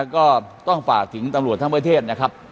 ก็ต้องฝากถึงตำรวจทั้งประเทศนะครับ